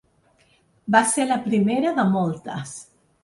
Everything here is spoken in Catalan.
Va ser la primera de moltes.